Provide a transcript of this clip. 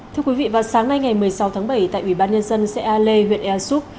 thưa quý vị vào sáng nay ngày một mươi sáu tháng bảy tại ủy ban nhân dân xe ale huyện ersup